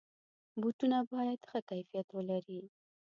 بوټونه باید ښه کیفیت ولري.